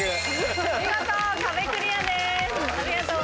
見事壁クリアです。